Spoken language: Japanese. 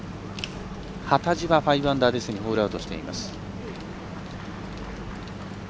幡地は５アンダーですでにホールアウトしています。